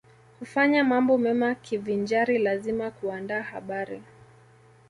Kufanya mambo mema kivinjari lazima kuandaa habari